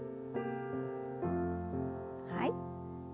はい。